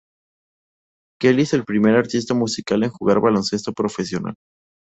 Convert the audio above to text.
Kelly es el primer artista musical en jugar baloncesto profesional.